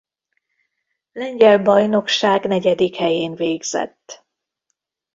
Lengyel Bajnokság negyedik helyén végzett.